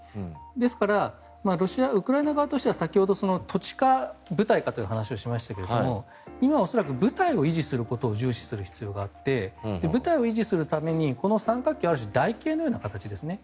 ですから、ウクライナ側としては先ほど、土地か部隊かという話をしましたが今恐らく部隊を維持することを重視する必要があって部隊を維持するためにはこの三角形をある種、台形のような形ですね